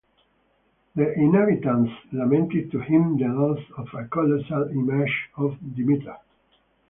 The inhabitants lamented to him the loss of a colossal image of Demeter.